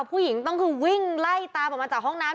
ผู้หญิงต้องคือวิ่งไล่ตามออกมาจากห้องน้ำ